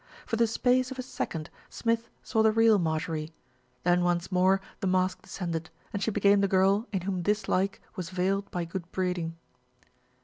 For the space of a second Smith saw the real Marjorie, then once more the mask descended, and she became the girl in whom dislike was veiled by good breeding.